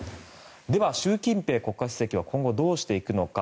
では、習近平国家主席は今後、どうしていくのか。